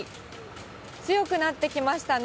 強くなってきましたね。